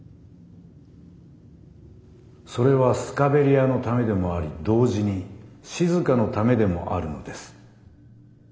それはスカベリアのためでもあり同時にしずかのためでもあるのです。